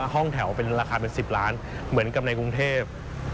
ห้องแถวเป็นราคาเป็น๑๐ล้านเหมือนกับในกรุงเทพ